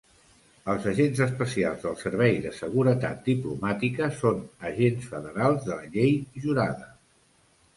Els agents especials del Servei de Seguretat Diplomàtica són agents federals de la llei jurada.